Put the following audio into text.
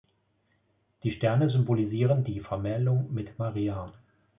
Die Sterne symbolisieren die Vermählung mit Maria.